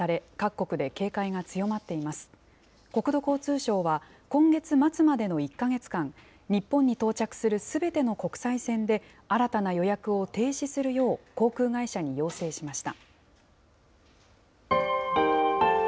国土交通省は、今月末までの１か月間、日本に到着するすべての国際線で、新たな予約を停止するよう航空会社に要請しました。